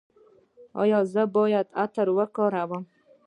ایا زه باید عطر وکاروم؟